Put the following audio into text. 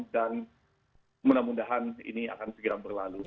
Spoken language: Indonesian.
dan mudah mudahan ini akan segera berlalu